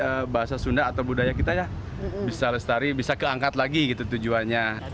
terus mudah mudahan bahasa sunda atau budaya kita bisa lestari bisa keangkat lagi gitu tujuannya